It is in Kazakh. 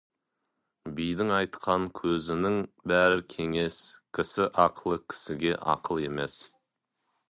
Бидің айтқан сөзінің бәрі кеңес, кісі ақылы кісіге ақыл емес.